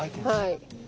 はい。